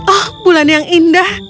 oh bulan yang indah